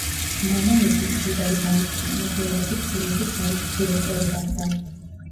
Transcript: მამამისი, მდიდარი ბანკირი, მოგვიანებით ჩინეთის ბანკის დირექტორი გახდა.